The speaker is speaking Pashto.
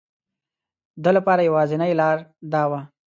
ده لپاره یوازینی لاره دا وه.